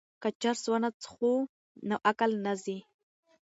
که چرس ونه څښو نو عقل نه ځي.